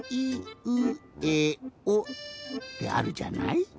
ってあるじゃない？